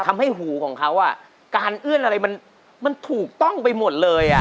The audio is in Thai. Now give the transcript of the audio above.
ทำให้หูของเขาการเอื้อนอะไรมันถูกต้องไปหมดเลย